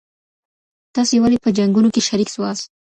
تاسي ولي په جنګونو کي شریک سواست؟